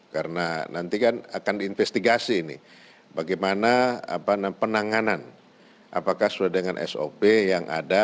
karena nanti kan akan diinvestigasi ini bagaimana penanganan apakah sesuai dengan sop yang ada